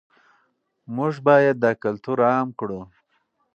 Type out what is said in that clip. موږ باید دا کلتور عام کړو.